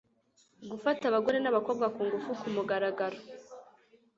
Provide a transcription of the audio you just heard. gufata abagore n'abakobwa ku ngufu ku mugaragaro